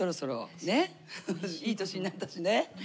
いい年になったしね。